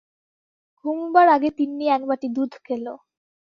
ঘুমুবার আগে তিন্নি একবাটি দুধ খেল।